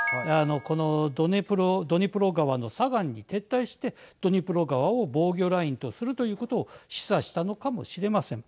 このドニプロ川の左岸に撤退してドニプロ川を防御ラインとするということを示唆したのかもしれません。